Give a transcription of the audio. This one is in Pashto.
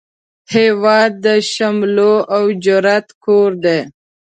هیواد د شملو او جرئت کور دی